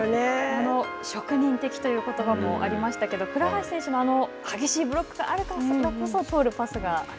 この職人的ということばもありましたけど倉橋選手の幅広いブロックがあるからこそ通るパスが。